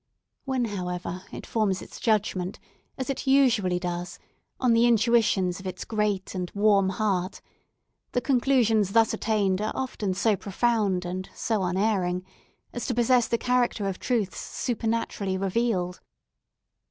When, however, it forms its judgment, as it usually does, on the intuitions of its great and warm heart, the conclusions thus attained are often so profound and so unerring as to possess the character of truth supernaturally revealed.